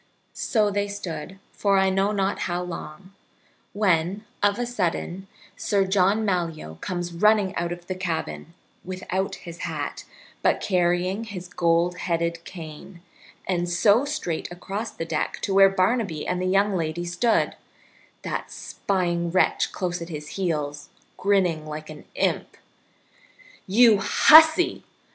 So they stood for I know not how long when, of a sudden, Sir John Malyoe comes running out of the cabin, without his hat, but carrying his gold headed cane, and so straight across the deck to where Barnaby and the young lady stood, that spying wretch close at his heels, grinning like an imp. "You hussy!"